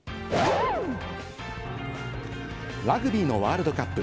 ラグビーのワールドカップ。